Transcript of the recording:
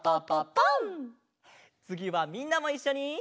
つぎはみんなもいっしょに！